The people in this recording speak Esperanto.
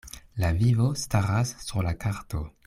La vivo staras sur la karto.